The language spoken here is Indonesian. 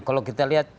kalau kita lihat